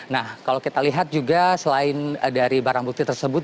nah kalau kita lihat juga selain dari barang bukti tersebut